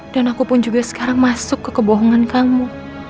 dan aku pun juga sekarang masuk ke kebohongan kamu